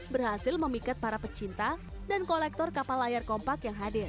berhasil memikat para pecinta dan kolektor kapal layar kompak yang hadir